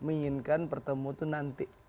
menginginkan bertemu itu nanti